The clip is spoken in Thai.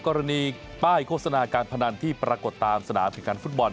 กรณีป้ายโฆษณาการพนันที่ปรากฏตามสนามแข่งขันฟุตบอล